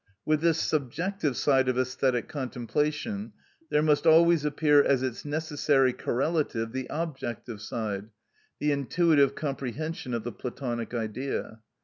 With this subjective side of æsthetic contemplation, there must always appear as its necessary correlative the objective side, the intuitive comprehension of the Platonic Idea.